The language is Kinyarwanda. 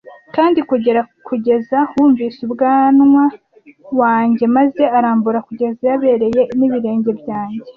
Kandi kugera kugeza wumvise ubwanwa wanjye, maze arambura kugeza yabereye n'ibirenge byanjye.